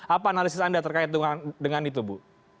apa analisis anda terkait dengan itu bu